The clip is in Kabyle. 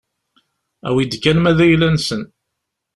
Awi-d kan ma d ayla-nsen.